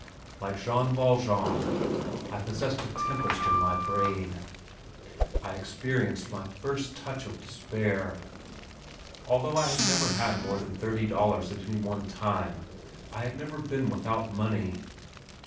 Like Jean Valjean, I possessed a tempest in my brain. I experienced my first touch of despair. Although I had never had more than thirty dollars at any one time, I had never been without money.